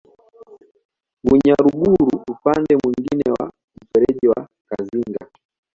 Bunyaruguru upande mwingine wa mfereji wa Kazinga